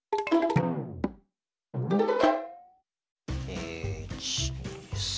え１２３。